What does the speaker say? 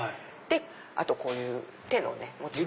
あとこういう持ち手の。